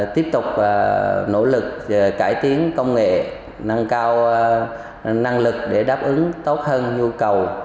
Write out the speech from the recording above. tiếp tục nỗ lực cải tiến công nghệ nâng cao năng lực để đáp ứng tốt hơn nhu cầu